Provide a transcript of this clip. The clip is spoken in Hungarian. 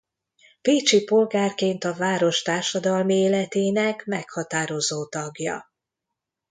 Pécsi polgárként a város társadalmi életének meghatározó tagja.